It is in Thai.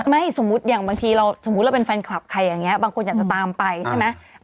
ไม่สมมุติอย่างบางทีเราสมมุติเราเป็นแฟนคลับใครอย่างนี้บางคนอยากจะตามไปใช่ไหม